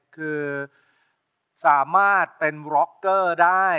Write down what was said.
คือสามารถเป็นร็อกเกอร์ได้